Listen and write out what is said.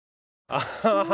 アハハハ